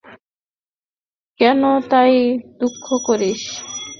কেন ভাই, দুঃখ করিস?